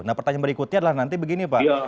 nah pertanyaan berikutnya adalah nanti begini pak